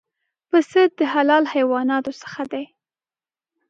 پسه د حلال حیواناتو څخه دی.